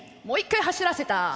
もう一回走らせた。